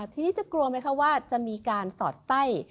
ทีนี้จะกลัวไหมคะว่าจะมีการสอดไส้